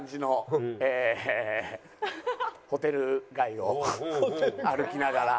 ホテル街を歩きながら。